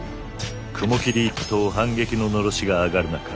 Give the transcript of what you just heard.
雲霧一党反撃の狼煙が上がる中